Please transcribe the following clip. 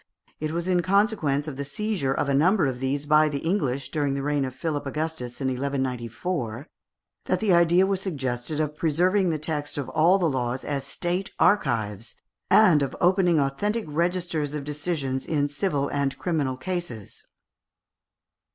It was in consequence of the seizure of a number of these by the English, during the reign of Philip Augustus in 1194, that the idea was suggested of preserving the text of all the laws as state archives, and of opening authentic registers of decisions in civil and criminal cases.